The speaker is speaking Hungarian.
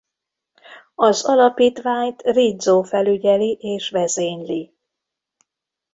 Az alapítványt Rizzo felügyeli és vezényli.